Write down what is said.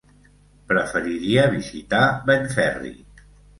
Preferiria visitar Benferri.